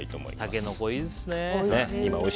タケノコいいですね。